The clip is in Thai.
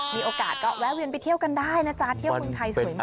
มีโอกาสก็แวะเวียนไปเที่ยวกันได้นะจ๊ะเที่ยวเมืองไทยสวยมาก